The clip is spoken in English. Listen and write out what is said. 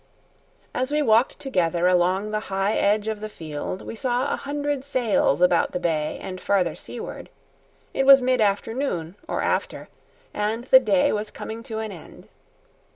As we walked together along the high edge of the field we saw a hundred sails about the bay and farther seaward; it was mid afternoon or after, and the day was coming to an end.